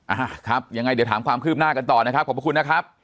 อ่าครับยังไงเดี๋ยวถามความคืบหน้ากันต่อนะครับขอบพระคุณนะครับ